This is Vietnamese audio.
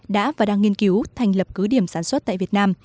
đã và đang nghiên cứu thành lập cứ điểm sản xuất tại việt nam